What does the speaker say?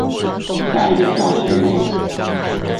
在一個教室內